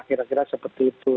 kira kira seperti itu